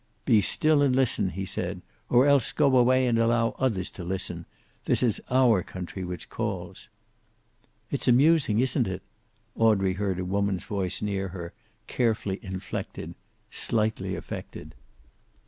"Be still and listen," he said. "Or else go away and allow others to listen. This is our country which calls." "It's amusing, isn't it?" Audrey heard a woman's voice near her, carefully inflected, slightly affected.